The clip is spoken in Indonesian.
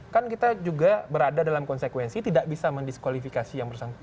kan kita juga berada dalam konsekuensi tidak bisa mendiskualifikasi yang bersangkutan